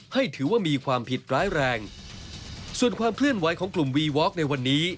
ให้ถือว่ามีความผิดร้ายแรงส่วนความเคลื่อนไหวของกลุ่มวีวอล์ในวันนี้